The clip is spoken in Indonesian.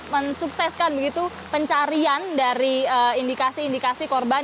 mensukseskan begitu pencarian dari indikasi indikasi korban